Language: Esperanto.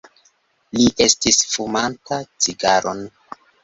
Li estis fumanta cigaron.